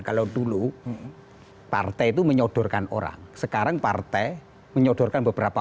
kalau dulu partai itu menyodorkan orang sekarang partai menyodorkan beberapa